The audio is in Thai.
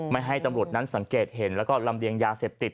ไม่ให้ตำรวจนั้นสังเกตเห็นแล้วก็ลำเลียงยาเสพติด